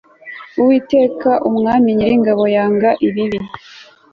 uwiteka umwami nyiringabo yanga ibibi